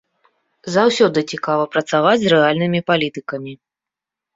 Заўсёды цікава працаваць з рэальнымі палітыкамі.